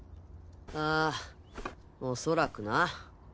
ああおそらくな。